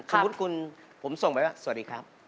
สมมุติคุณผมส่งไปแล้วสวัสดีครับ